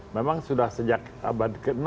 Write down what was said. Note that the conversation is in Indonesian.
memang sudah sejak abad ke enam